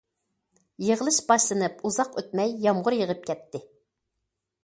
يىغىلىش باشلىنىپ ئۇزاق ئۆتمەي يامغۇر يېغىپ كەتتى.